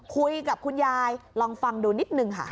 คุยกับคุณยายลองฟังดูนิดนึงค่ะ